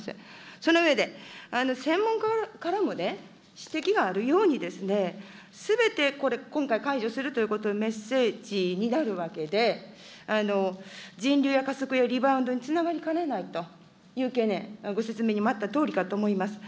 その上で、専門家からも指摘があるように、すべて今回、解除するというメッセージになるわけで、人流加速やリバウンドにつながりかねないという懸念、ご説明にもあったとおりかと思います。